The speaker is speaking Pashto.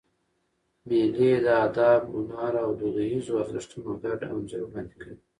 مېلې د ادب، هنر او دودیزو ارزښتونو ګډ انځور وړاندي کوي.